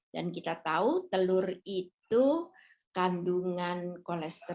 dan kita tahu telur itu kandungan kolesterol